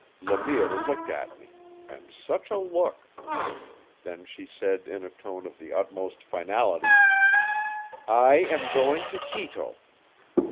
Le Mire looked at me and such a look! Then she said in a tone of the utmost finality: "I am going to Quito."